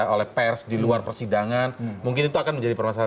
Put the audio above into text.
oleh pers di luar persidangan mungkin itu akan menjadi permasalahan